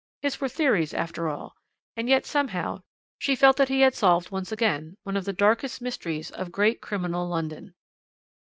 His were theories, after all, and yet, somehow, she felt that he had solved once again one of the darkest mysteries of great criminal London.